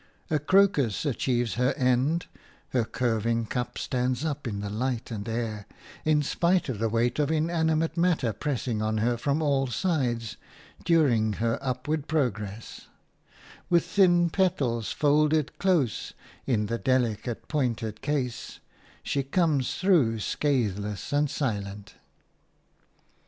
A crocus achieves her end; her curving cup stands up in the light and air in spite of the weight of inanimate matter pressing on her from all sides during her upward progress; with thin petals folded close in the delicate pointed case, she comes through scathless and silent.